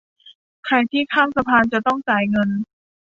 ใครที่ข้ามสะพานจะต้องจ่ายเงิน